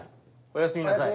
おやすみなさい。